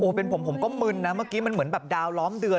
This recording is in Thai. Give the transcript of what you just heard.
เป็นผมผมก็มึนนะเมื่อกี้มันเหมือนแบบดาวล้อมเดือน